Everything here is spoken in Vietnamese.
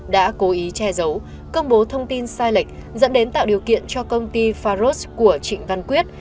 đã cố ý che giấu công bố thông tin sai lệch dẫn đến tạo điều kiện cho công ty faros của trịnh văn quyết